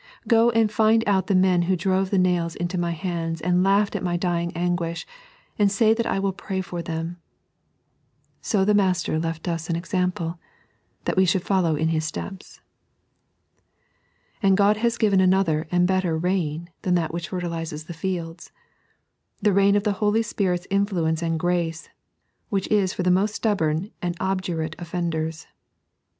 Go and find out the men who drove the nails into My hands and laughed at My dying anguish, and say that I will pray for them." So the Master left us an example, that we should follow in His steps. And God has given another and better Jiain than that which fertilizes the fields — the rain of the Holy Spirit's influence and grs^e, which is for the most stubborn and obdurate offenders.